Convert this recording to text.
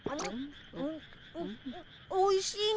おいしいね